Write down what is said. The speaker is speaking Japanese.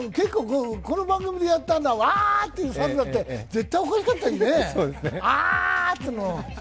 この番組でやったのは、わっ！っていう猿だって絶対おかしかったしね。